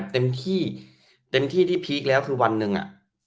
เต็มที่ที่พีคแล้วคือวันหนึ่ง